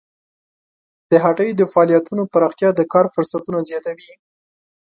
د هټیو د فعالیتونو پراختیا د کار فرصتونه زیاتوي.